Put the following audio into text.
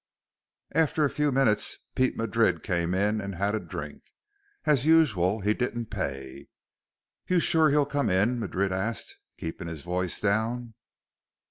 After a few minutes, Pete Madrid came in and had a drink. As usual, he didn't pay. "You sure he'll come in?" Madrid asked, keeping his voice down.